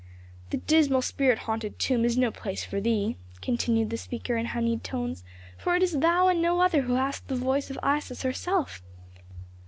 "This dismal spirit haunted tomb is no place for thee," continued the speaker in honeyed tones, "for it is thou and no other who hast the voice of Isis herself.